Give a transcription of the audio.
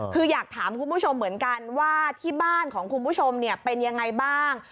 คืออยากถามคุณผู้ชมเหมือนกันว่าที่บ้านของคุณผู้ชมเป็นยังไงบ้าง